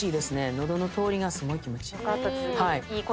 喉の通りがすごい気持ちいい。